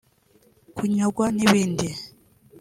kunyagwa n’ibindi